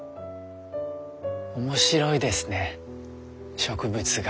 面白いですね植物学。